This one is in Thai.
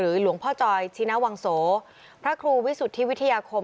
หลวงพ่อจอยชินวังโสพระครูวิสุทธิวิทยาคม